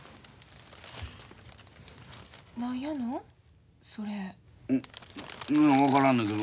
何やの？